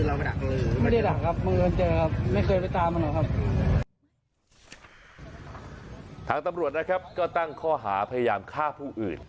ยิงกระสุนทางตำรวจนะครับก็ตั้งข้อหาพยายามฆ่าผู้อื่น